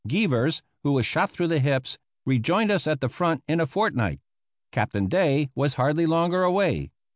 Gievers, who was shot through the hips, rejoined us at the front in a fortnight. Captain Day was hardly longer away.